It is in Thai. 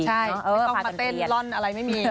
ใช่เปลวเต้นลอนอะไรไม่มี